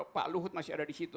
pak luhut masih ada di situ